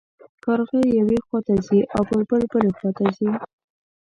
کارغه یوې خوا ته ځي او بلبل بلې خوا ته ځي.